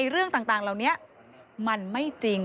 เรื่องต่างเหล่านี้มันไม่จริง